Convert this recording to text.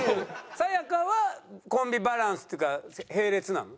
さや香はコンビバランスっていうか並列なの？